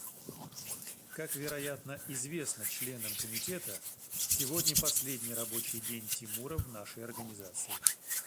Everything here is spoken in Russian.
Как, вероятно, известно членам Комитета, сегодня последний рабочий день Тимура в нашей Организации.